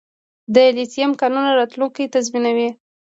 د لیتیم کانونه راتلونکی تضمینوي